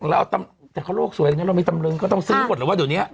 อาทารกสวยยังงั้นเราไม่ตำรึงก็ต้องซื้อก่อนเหรอว่าตอนเนี้ย